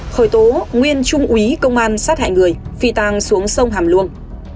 khởi tố nguyên trung úy công an sát hại người phi tăng xuống sông hàm luông